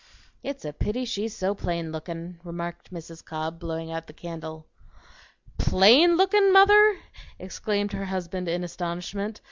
"It's a pity she's so plain looking," remarked Mrs. Cobb, blowing out the candle. "PLAIN LOOKING, mother?" exclaimed her husband in astonishment.